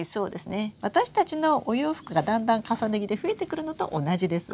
私たちのお洋服がだんだん重ね着で増えてくるのと同じです。